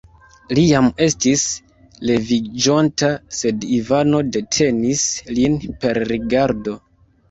Li jam estis leviĝonta, sed Ivano detenis lin per rigardo.